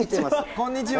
こんにちは。